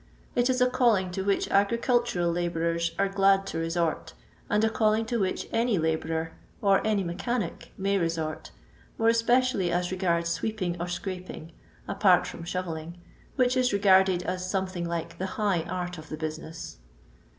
It is a calling to which agricnltnral labourers are ;lad to resort, and a calling to which any abonrer or any mechanic may resort, more espe cially as regards sweeping or scraping, apart from shovelling, which is regarded as something like the high art of the business.